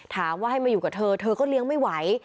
ถามว่าให้มาอยู่กับเธอเธอก็เลี้ยงไม่ไหว